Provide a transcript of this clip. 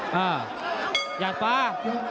หยาดฟ้า